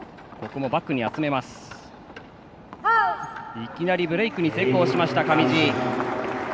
いきなりブレークに成功しました、上地。